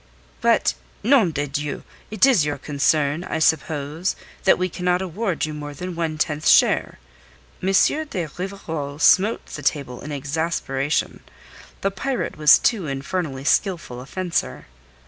"But nom de Dieu! it is your concern, I suppose, that we cannot award you more than one tenth share." M. de Rivarol smote the table in exasperation. This pirate was too infernally skillful a fencer.